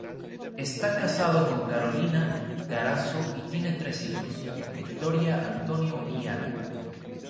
Está casado con Carolina Carazo y tiene tres hijos: Victoria, Antonio y Ana.